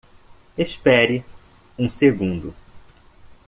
Espere um segundo.